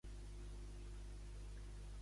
Es van fer suggeriments al govern de Rivera?